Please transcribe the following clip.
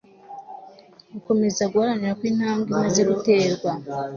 ugukomeza guharanira ko intambwe imaze guterwa